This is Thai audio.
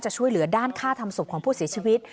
ช่วยเหลือด้านค่าทำศพของผู้เสียชีวิต